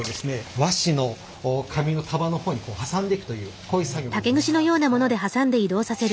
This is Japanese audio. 和紙の紙の束の方に挟んでいくというこういう作業になります。